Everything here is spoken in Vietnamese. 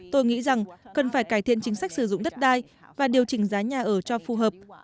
tôi nghĩ rằng cần phải cải thiện chính sách sử dụng đất đai và điều chỉnh giá nhà ở cho phù hợp